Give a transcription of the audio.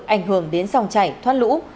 ảnh hưởng đến dòng chảy thoát lũ